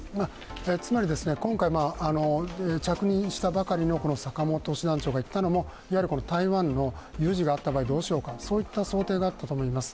つまり今回、着任したばかりの坂本師団長が行ったのもいわゆる台湾の有事があった場合、どうしようか、そういった想定だったと思います。